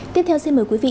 tiếp theo xin mời quý vị